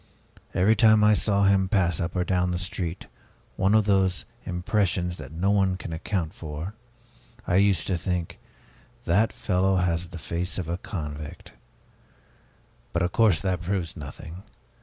Every time I saw him pass up or down the street one of those impressions that no one can account for I used to think, 'That fellow has the face of a convict!' But of course that proves nothing.